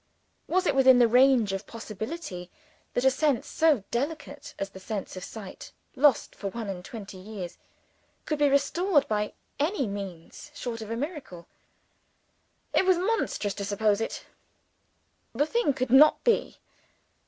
Was it within the range of possibility that a sense so delicate as the sense of sight, lost for one and twenty years, could be restored by any means short of a miracle? It was monstrous to suppose it: the thing could not be.